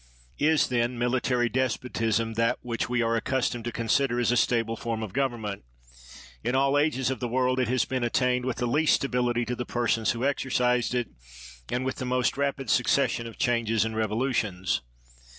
Is, then, military despotism that which we are accustomed to consider as a stable form of gov ernment? In all ages of the world it has been attained with the least stability to the persons who exercised it, and with the most rapid suc 23 THE WORLD'S FAMOUS ORATIONS cession of changes and revolutions.